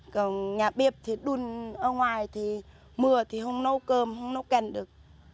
còn nhà bếp thì đun ở ngoài thì mưa thì không nấu cơm không nấu cành được